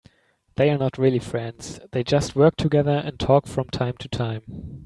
They are not really friends, they just work together and talk from time to time.